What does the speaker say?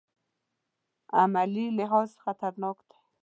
عملي لحاظ خطرناک دی.